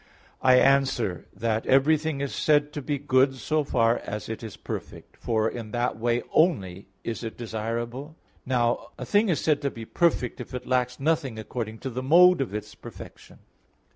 I answer that, Everything is said to be good so far as it is perfect; for in that way only is it desirable (as shown above, AA. 1, 3). Now a thing is said to be perfect if it lacks nothing according to the mode of its perfection.